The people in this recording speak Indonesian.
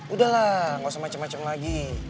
udahlah nggak usah macem macem lagi